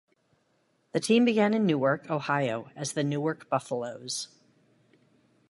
The team began in Newark, Ohio as the Newark Buffalos.